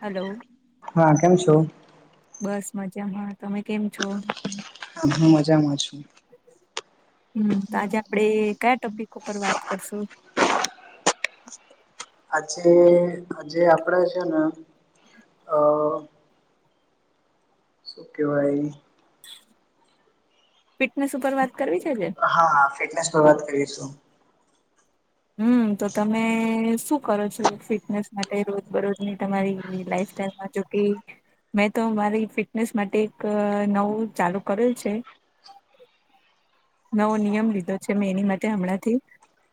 Hello હા કેમ છો બસ મજા માં તમે કેમ છો. હમ મજામાં છું. તો આજે આપડે કયા ટોપિક ઉપર વાત કરશું. આજે આજે આપડે છે ને અ. સુ કેવાઈ. ફિટનેસ ઉપર વાત કરવી છે આજે. હા ફિટનેસ પર વાત કરીશું. હમ તો તમે શું કરો છો ફિટનેસ માટે રોજ બરોજની તમારી લાઈફ સ્ટાઈલમાં જો. એજ. મેં તો મારી ફિટનેસ માટે એક નવું ચાલુ કરેલ છે. નવો નિયમ લીધો છે મેં એની માટે હમણાંથી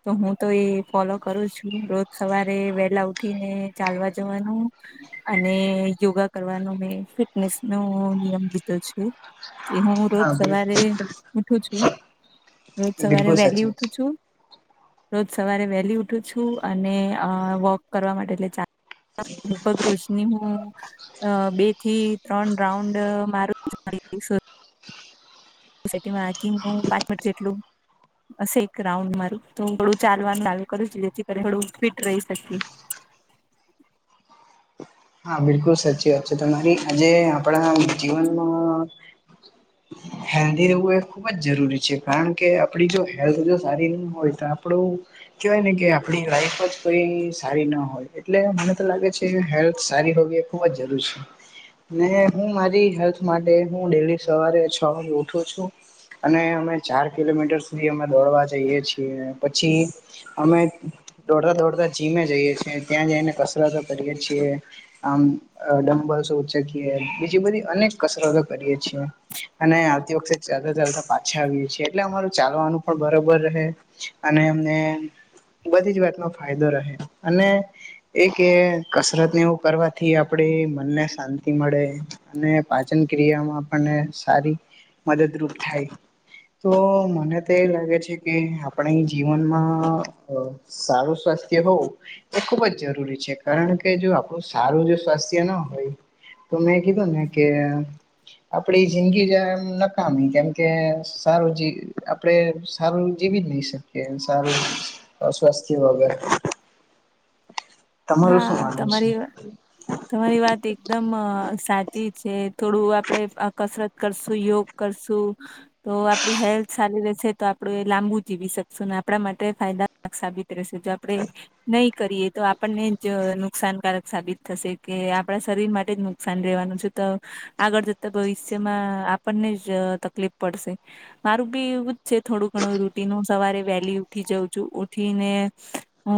તો હું. તો એ ફોલો કરું છું રોજ સવારે વેલા ઉઠી ને ચાલવા જવાનું. અને યોગા કરવાનો મેં ફિટનેસ નો નિયમ લીધો છે. કે હું રોજ હા સવારે ઉઠું છું રોજ સવારે બિલકુલ વહેલી સાચી વાત ઉઠું છે છું. રોજ સવારે વહેલી ઉઠું છું અને અ વોક કરવા માટે એટલે ચાલ. ભગ રોશની હું. અ બે થી ત્રણ રાઉન્ડ મારું [inaudible] [unintelligible] નું પાચમટ જેટલું એક રાઉન્ડ મારું તો થોડું ચાલવાનું ચાલુ કરું છું જેથી કરી થોડું ફિટ રહી શકીએ. હા બિલકુલ સાચી વાત છે તમારી આજે આપણા જીવનમાં [inaudible] હેલ્ધી રહેવું એ ખુબ જ જરૂરી છે કારણ કે આપડી જો હેલ્થ જો સારી નહીં હોય તો આપણું કેવાય ને કે આપણી લાઈફ જ કોઈ સારી ના હોય એટલે મને તો લાગે છે હેલ્થ સારી હોવી એ ખુબ જ જરૂર છે. ને હું મારી હેલ્થ માટે હું ડેલી સવારે છ વાગે ઉઠું છું. અને અમે ચાર કિલોમીટર સુધી અમે દોડવા જઈએ છીએ પછી અમે દોડતા દોડતા જીમે જઈએ છીએ ત્યાં જઈને કસરતો કરીએે છીએ. આમ ડમ્બલસઉચકીએ બીજી બધી અનેક કસરતો કરીએે છીએ. અને આવતી વખતે ચાલતા ચાલતા પાછા આવી છીએ એટલે અમારું ચાલવાનું પણ બરોબર રહે. અને એમને. બધી જ વાત નો ફાયદો રહે અને એક એ કસરત ને એવું. કરવાથી આપણે મનને શાંતિ મળે. અને પાચન ક્રિયામાં આપને સારી મદદરૂપ થાય. તો મને તો એ લાગે છે કે આપણે જીવનમાં સારું સ્વાસ્થ્ય હોવું એ ખુબ જ જરૂરી છે કારણ કે જો આપ. બ સારું જો સ્વાસ્થ્ય ના હોય તો મેં કીધું ને કે આપડી જિંદગી જ એમ નકામી કેમકે સારું જે આપડે સારું જીવી જ નહી શકીએ સારું સ્વાસ્થ્ય વગર. તમારું હા શું માનવું છે તમારી. તમારી વાત એકદમ અ સાચી છે. થોડું આપડે આ કસરત કરશું યોગ કરશું. તો આપડી હેલ્થ સારી રહેશે તો આપડું એ લાંબુ જીવી શકશું ને આપણા માટે ફાયદા. સાબિત રહેશે જો આપડે નહી કરીએ તો આપ. આપણને જ નુકસાનકારક સાબિત થશે કે આપણા શરીર માટે જ નુકસાન રહેવાનું છે તો આગળ જતા ભવિષ્યમાં આપણને જ તકલીફ પડશે. મારું બી એવું જ છે થોડું ઘણું રૂટીનું હ સવારે વહેલી ઉઠી જાઉં છું ઉઠીને. હ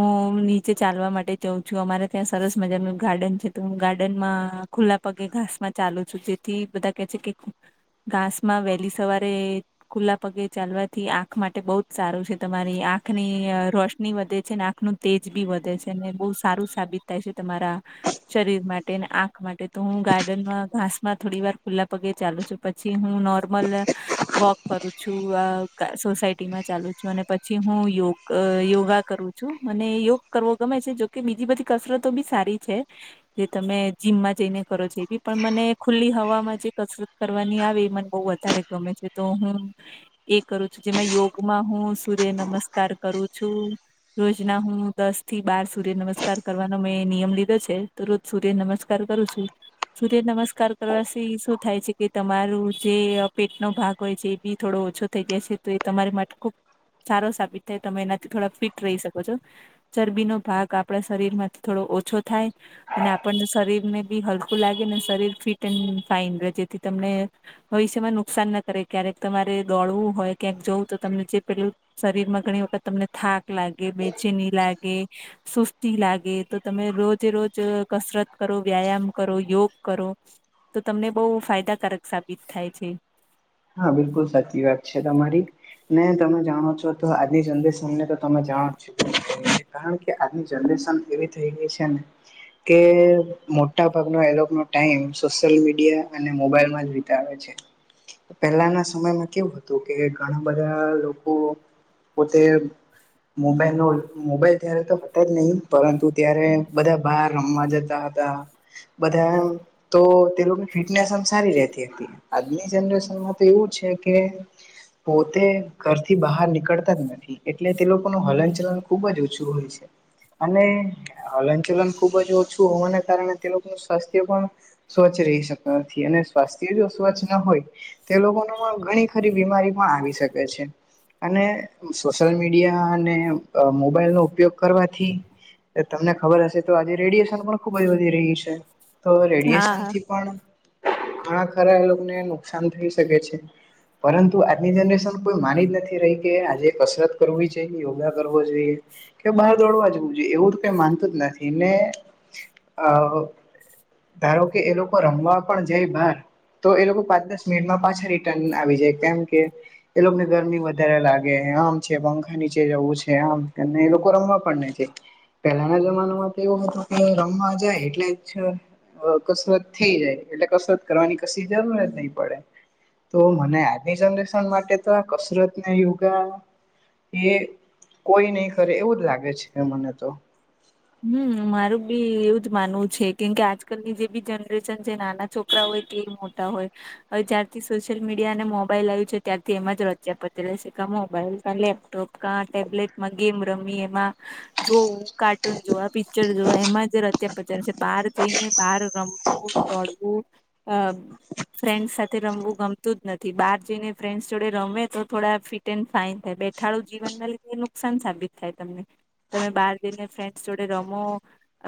નીચે ચાલવા માટે જઉં છું અમારે ત્યાં સરસ મજાનું ગાર્ડન છે તો હું ગાર્ડનમાં ખુલ્લા પગે ઘાસ માં ચાલુ છું જે થી બધા કે છે કે ઘાસ માં વહેલી સવારે ખુલ્લા પગે ચાલવાથી આંખ માટે બહ જ સારું છે તમારી આંખ ની રોશની વધે છે નેખ નું તેજ બી વધે છે અનેને બહુ સારું સાબિત થાય છે તમારા. શરીર માટે અને આંખ માટે તો હું ગાર્ડનમાં ઘાસ માં થોડી વાર ખુલ્લા પગે ચાલુ છું. પછી હું નોર્મલ. વોક કરું છું સોસાયટીમાં ચાલુ છું અને પછી હું યોગ અ યોગા કરું છું મને યોગ કરવો ગમે છે જોકે બીજી બધી કસરતો બી સારી છે. જે તમે જીમમાં જઈને કરો છ એ બી પણ મને ખુલ્લી હવામાં જે કસરત. કરવાની આવે એ મને બહુ વધારે ગમે છે તો હું એ કરું છું જેમાં યોગમાં હું સૂર્ય નમસ્કાર કરું છું. રોજ ના હું દસ થી બાર સૂર્ય નમસ્કાર કરવાનો મેં નિયમ લીધો છે તો રોજ સૂર્ય નમસ્કાર કરું છું. સૂર્ય નમસ્કાર કરવાથી શું થાય છે કે તમારું જે પેટનો ભાગ. હોય છે એ બી થોડો ઓછો થઈ જાય છે તો એ તમારી માટે ખૂબ સારો સાબિત થાય તમે એનાથી થોડા ફિટ રહી શકો છો ચરબીનો ભાગ. આપણા શરીર માંથી થોડો ઓછો થાય. અને આપણને શરીર ને બી હલકું લાગે ને શરીર ફિટ એન્ડ ફાાઈન રહે જેથી તમે. ભવિષ્યમાં નુકસાન ના કરે ક્યારેક તમારે દોડવું હોય ક્યાંક જવું તો તમને જે પેલું. શરીર માં ઘણી વખત તમને થાક લાગે બેચેની લાગે. સુસ્તી લાગે તો તમે રોજે રોજ કસરત કરો વ્યાયામ કરો યોગ કરો. તો તમને બહુ ફાયદાકારક સાબિત થાય છે. હા બિલકુલ સાચી વાત છે તમારી. નહી તમે જાણો છો તો આજિ જલ્દીી સમને તો તમે જાણો છો. કારણ કે આજની જનરેશન એવી થઈ ગઈ છે ને. કે મોટા ભાગનો એલોનો ટાઈમ સોશિયલ મીડિયા અને મોબાઈલમાં જ વિતાવે છે. પહેલાના સમયમાં કેવું હતું કે ઘણા બધા લોકો પોતે મોબાઈલ ન મોબાઈલ ત્યારે તો હતા જ નહીિ પરંતુ ત્યારે બધા બાર રમવા જતા હા બધા તો લોકોની ફિટનેસ એમ સારી રેતી આજની જનરેશન એમાં તો એવું છે કે પોતે ઘરથી બહાર નીકળતા જ નથી એટલે તે લોકોનું હલન ચલન ખુબ જ ઓછું હોય છે. અને હલનચલન ખુબ જ ઓછું હોવાને કારણે તે લોકોનું સ્વાસ્થ્ય પણ સ્વચ્છ રહી શકતા નથી અને સ્વાસ્થ્ય જો સ્વચ્છ ના હોય. તે લોકો પણ ઘણી ખરી બીમારી પણ આવી શકે છે. અને સોશિયલ મીડિયા અને મોબાઈલનો ઉપયોગ કરવાથી. તમને ખબર હશે તો આજે રેડિયેશન પણ ખુબ જ વધી રહી છે. તો હા રેડિએેશનથી પણ ઘણા ખરા એ લોકોને નુકસાન થઈ શકે છે. પરંતુ આજની જનરેશન કોઈ માની જ નથી રહી કે આજે કસરત કરવી જોઈએ યોગા કરવો જોઈએ. કે બહાર દોડવા જવું જોઈએ એવું તો કઈ માનતું જ નથી ને આ. ધારો કે એ લોકો રમવા પણ જાય બહાર તો એ લોકો પાંચ દસ મિનિટમાં. પાછા રિટર્ન આવી જાય કેમ કે એ લોકોને ગરમી વધારે લાગે આમ છે પંખા નીચે જવું છે આમ એ લોકો રમવા પણ નહી પેલાના જમાનામાં તો એવું હતું કે રમવા જાય એટલે જ કસરત થઈ જાય એટલે કસરત કરવાની કશી જરૂર જ નહી પડે. તો મને આજની જનરેશન માટે તો આ કસરત યોગા એ કોઈ નહી કરે એવું જ લાગે છે કે મને તો. હમ મારું બી એવું જ માનવું છે કેમકે આજકાલની જે બી જનરેશન છે નાના છોકરા. હોય કે મોટા હોય. હવે જ્યારથી સોશિયલ મીડિયા અને મોબાઈલ આવ્યું છે ત્યારથી એમાં જ રચ્યા પતી રહેશે કે મોબાઈલ લેપટોપ ક ટેબ્લેટમાં ગેમ રમી એમાં જોવું કાડ ટન જોવા પિક્ચર જોવા એમાં જ રત્યા પચાર છે બહાર જઈ ને બહાર રમ દોડવું અ ફ્રેન્ડ્સ સાથે રમવું ગમતું જ નથી બહાર જઈને ફ્રેન્ડ્સ જોડે રમે તો થોડા ફિટ એન્ડ ફાઈન થાય. અથાળું જીવનના લીધે નુકસાન સાબિત થાય તમને તમે બહાર જઈને ફ્રેન્ડસ જોડે રમો.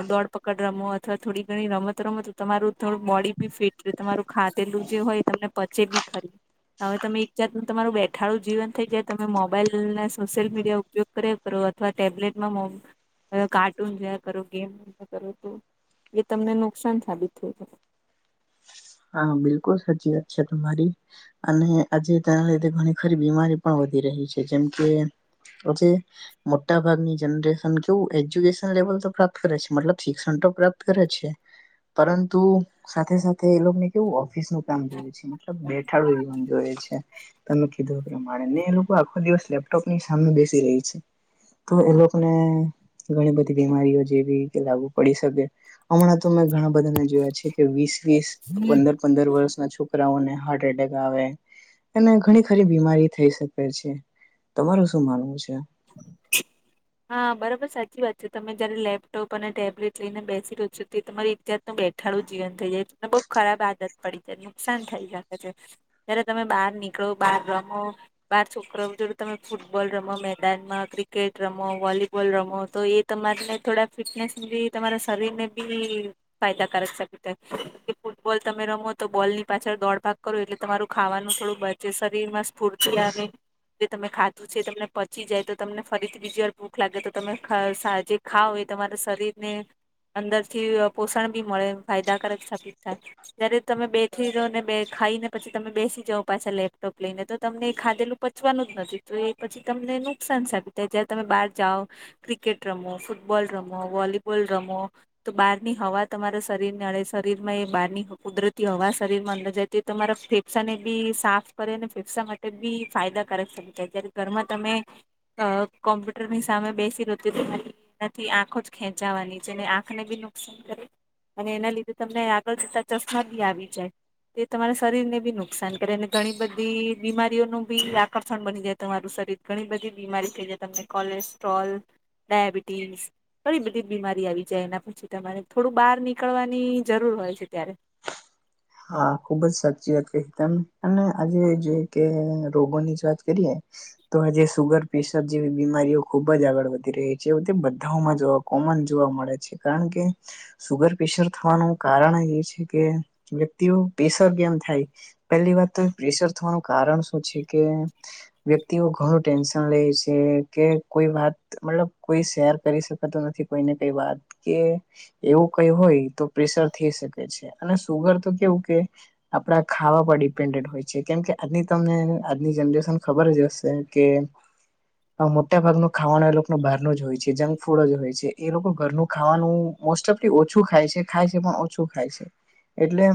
દોડપકડ રમો અથવા થોડી ઘણી રમત રમતો તમારું થોડું બોડી બી ફીટ તમારું ખાતેલું જે હોય તમને પચે બી ખરી હવે તમે એક જાત તમારું બેઠાડું જીવન થઈ જાય તમે મોબાઈલને સોશિયલ મીડિયા ઉપયોગ કરે અથવા ટેબ્લેટમાં મો હ કાર્ટૂન જોયા કરો ગેમ કરો તો એ તમને નુકસાન સાબિત થયું છે. હા બિલકુલ સાચી વાત છે તમારી અને આજે તેના લીધે ઘણી ખરી બીમારી પણ વધી રહી છે જેમ કે. પછી. મોટા ભાગની જનરેશન કેવું એજ્યુકેશન લેવલ તો પ્રાપ્ત કરે છે મતલબ શિક્ષણ તો પ્રાપ્ત કરે છે. પરંતુ સાથે સાથે એ લોકો ને કેવું ઓફિસ નું કામ જોયએ છે મતલબ બેઠાડું જીવન જોયએ છે તમે કીધું માણે ને એ લોકો આખો દિવસ લેપટોપની સામે બેસી રહી છે. તો એ લોકોને ઘણી બધી બીમારીઓ જેવી કે લાગુ પડી શકે. હમણાં તો મેં ઘણા બધાને જોયા છે કે વીસ વીસ પંદર પંદર વર્ષના છોકરાઓને હાર્ટ એટેક આવે અને ઘણી ખરી બીમારી થઈ શકે છે તમારું શું માનવું છે. [unintelligible] હા બરાબર સાચી વાત છે તમે જયારે લેપટોપ અને ટેબલેટ લઈને બેસી રહ્યો છો તે તમારી ત તું બેઠાડું જીવન થઈ જાયને બહુ ખરાબ આદત પડી છે નુકસાન થઈ શકે છે. જય્યારે તમે બહાર નીકળો બહાર રમો બાર છોકરા જોડ તમે ફૂટબોલ રમો મેચ મેદાનમાં ક્રિકેટ રમો વોલીબોલ રમો તો એ તમારીને થોડા ફિટનેસી તમારા શરીર ને બી ફાયદાકારક શબ થાય ફૂટબોલ તમે રમો તો બોલ ની પાછળ દોડ ભાગ કરો એટલે તમારું ખાવાનું થોડું બચે શરીર માં સ્ફૂર્તિ આવે જે તમે ખાધું છે એ તમને. ચી જાય તો તમને ફરીથી બીજી વાર ભૂખ લાગે તો તમે જે ખાવ એ તમારા શરીર ને અંદર થી પોષણ બી મળે ફાયદાકારક સાબિત થાય. જયારે તમે બેઠી જાઓ ને બે ખાઈ ને પછી તમે બેસી જાઓ પાછા લેપટોપ લઈને તો તમને એ ખાધેલું પચવાનું જ નથી તો એ પછી તમને નુકસાન સાબિત થાય જયારે તમે બહાર જાઓ. ક્રિકેટ રમો ફુટબોલ રમો વોલીબોલ રમો. તો બહારની હવા તમારા શરીર ને અડે શરીરમાં એ બહારની કુદરતી હવા શરીરમાં અંદર જાય. તે તમારા ફેફસાને બી સાફ કરે ને ફેફસા માટે બી ફાયદાકારક સમ થાય જ્યારે ઘરમાં તમે અ કોમ્પ્યુટર ની સામે બેસી રહેતી તરી નથી આંખો જ ખેંચાવાની છેને આંખને બી નુકસાન કરે. અને એના લીધે તમને આગળ જતા ચસ્ બી આવી જાય. તે તમારા શરીર ને બી નુકસાન કરે અને ઘણી બધી બીમારીઓનું બી આકર્ષણ બની જાય તમારું શરીર. ઘણી બધી બીમારી થઈ જાય તમને કોલેસ્ટ્રોલ ડાયાબિટીસ. ઘળી બધી જ બીમારી આવી જાય એના પછી તમારે થોડું બહાર નીકળવાની જરૂર હોય છે ત્યારે. હા ખુબ જ સાચી વાત કહી તમે અને આજે જોઈ કે રોગોની જ વાત કરીએ. તો આજે સુગર પ્રેશર જેવી બીમારીઓ ખુબ જ આગળ વધી રહી છે તે બધામાં જોવા. કોમન જોવા મળે છે કારણ કે સુગર પ્રેશર થવાનું કારણ એ છે કે. વ્યક્તિઓ પ્રેશર કેમ થાય પેલી વાત તો પ્રેશર થવાનું કારણ શું છે કે. વ્યક્તિઓ ઘણું ટેન્શન લે છે કે કોઈ વાત. મતલબ કોઈ શેર કરી શકાતું નથી કોઈને કઈ વાત કે. એવું કઈ હોય તો પ્રેશર થઈ શકે છે અને સુગર તો કેવું કે. આપડા ખાવા પર ડિપેન્ડેન્ટ હોય છે કેમ કે આજની તમને આજની જનરેશન ખબર જ હશે. કે. મોટા ભાગ ન ખાવાનું એ લોકો ન બહાર ન જ હોય છે જંક ફૂડ જ હોય છે એ લોકો ઘરનું ખાવાનું. મોસ્ટ ઓફી ઓછું ખાય છે ખાય છે પણ ઓછું ખાય છે એટલે.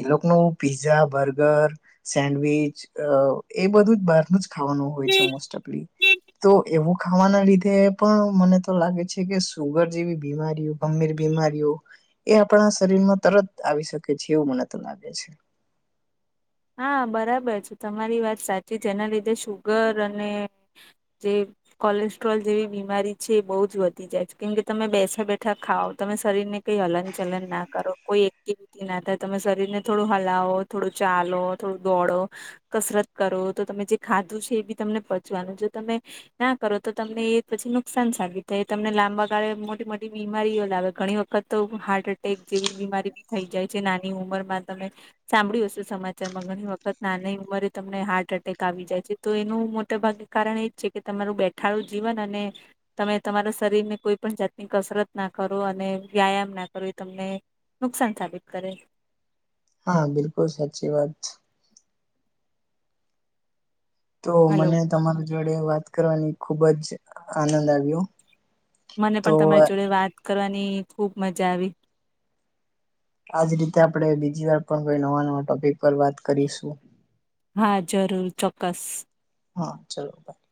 એ લોકોનું પીઝા બર્ગર સેન્ડવીચ એ બધું જ બહાર નુ જ. ખાવાનું હોય છે મોસ્ટઓફલી તો એવું ખાવાના લીધે. પણ મને તો લાગે છે કે સુગર જેવી બીમારીઓ ગંભીર બીમારીઓ. એ આપણા શરીર માં તરત આવી શકે છે એવું મને તો લાગે છે. હા બરાબર છે તમારી વાત સાચી છે એના લીધે શુગર અને જે. કોલેસ્ટ્રોલ જેવી બીમારી છે એ બહુ જ વધી જાય છે કેમ કે તમે બેસા બેઠા ખાવઓ તમે શરીરને. કઈ હલન ચલન ના કરો કોઈ એક્ટિવિટી ના થાય તમે શરીર ને થોડું હલાવો થોડું ચાર. થોડું દોડો કસરત કરો તો તમે જે ખાધું છે એ બી તમને પચવાનું જો તમે. ના કરો તો તમને એ પછી નુકસાન સાબિત થાય તમને લાંબા ગાળે મોટી મોટી બીમારીઓ લાવે ઘણી વખત. તો હાર્ટ એટેક જેવી બીમારી બી થઈ જાય છે નાની ઉંમર માં તમે સાંભળ્યું હશો સમાજ. તેમાં ઘણી વખત નાની ઉંમરે તમને હાર્ટ એટેક આવી જાય છે તો એનું મોટાભાગે કારણ એ જ છે. કે તમારું બેઠાડું જીવન અને. તમે તમારા શરીરને કોઈ પણ જાતની કસરત ના કરો અને વ્યાયામ ના કરો એ તમને. નુકસાન સાબિત કરે. હા બિલકુલ સાચી વાત. તો હલો મને તમારા જોડે વાત કરવાની ખુબ જ આનંદ આવ્યો. મને તો પણ તમારી જોડે વાત કરવાની ખુબ મજા આવી. આજ રીતે આપણે બીજી વાર પણ કોઈ નવા નવા ટોપિક પર વાત કરીશું. હા જરૂર ચોક્કસ. હા ચલો બાય.